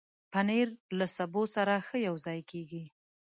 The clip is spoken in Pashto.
پنېر له سبو سره ښه یوځای کېږي.